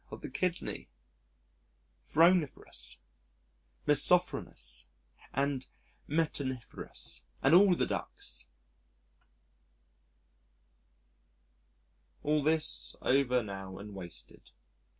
of the kidney pronephros, mesonephros and metanephros and all the ducts!... All this, over now and wasted.